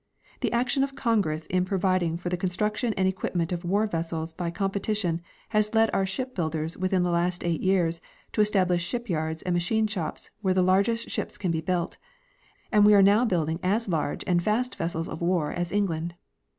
The action of Congress in providing for the construction and equipment of war vessels by competition has led our ship builders within the last eight years to establish ship yards and machine shops where the largest ships can be Imilt, and we are how building as large and fast vessels of war as England.